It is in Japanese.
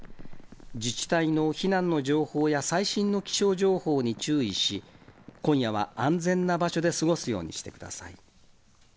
自治体の避難の情報や最新の気象情報に注意し、今夜は安全な場所で過ごすようにしてください。